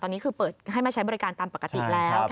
ตอนนี้คือเปิดให้มาใช้บริการตามปกติแล้ว